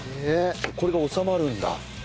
これが収まるんだ。